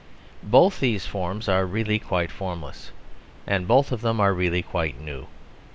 Both these forms are really quite formless, and both of them are really quite new.